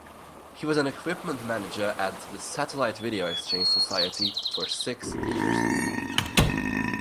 He was an equipment manager at the Satellite Video Exchange Society for six years.